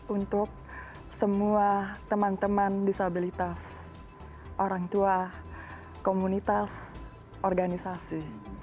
untuk semua teman teman disabilitas orang tua komunitas organisasi